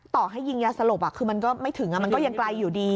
ต่อให้ยิงยาสลบคือมันก็ไม่ถึงมันก็ยังไกลอยู่ดี